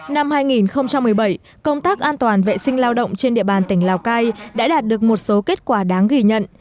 năm hai nghìn một mươi bảy công tác an toàn vệ sinh lao động trên địa bàn tỉnh lào cai đã đạt được một số kết quả đáng ghi nhận